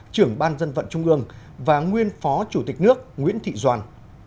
trưởng ban dân vận trung ương và nguyên phó chủ tịch nước nguyễn thị doan